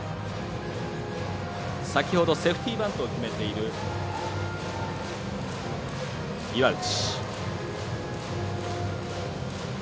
先ほどセーフティーバントを決めている岩内。